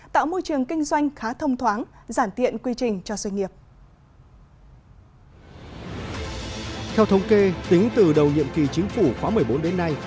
theo thống kê tính từ đầu nhiệm kỳ chính phủ khóa một mươi bốn đến nay